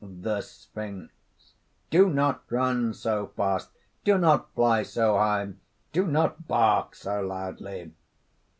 THE SPHINX. "Do not run so fast, do not fly so high, do not bark so loudly!"